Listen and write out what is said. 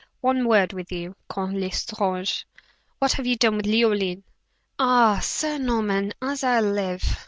"One word with you, Count L'Estrange. What have you done with Leoline!" "Ah! Sir Norman, as I live!"